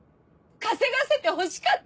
稼がせてほしかった。